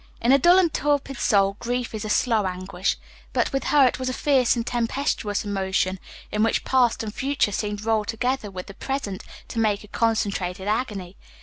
In a dull and torpid soul grief is a slow anguish; but with her it was a fierce and tempestuous emotion, in which past and future seemed rolled together with the present to make a concentrated agony.